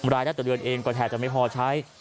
รายได้ต่อเดือนเองก็แทบจะไม่พอใช้